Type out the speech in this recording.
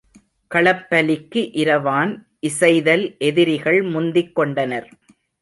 களப்பலிக்கு இரவான் இசைதல் எதிரிகள் முந்திக் கொண்டனர்.